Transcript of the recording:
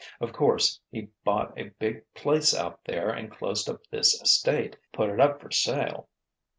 "Of course he bought a big place out there and closed up this estate—put it up for sale.